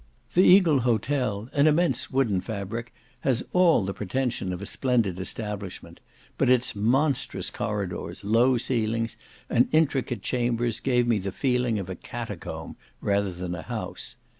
The Eagle Hotel, an immense wooden fabric, has all the pretension of a splendid establishment, but its monstrous corridors, low ceilings, and intricate chambers, gave me the feeling of a catacomb rather than a house.